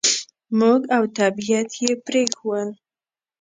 موږ او طبعیت یې پرېښوول.